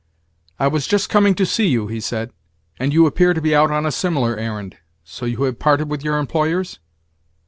"I was just coming to see you," he said; "and you appear to be out on a similar errand. So you have parted with your employers?"